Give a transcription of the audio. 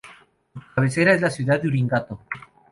Su cabecera es la ciudad de Uriangato.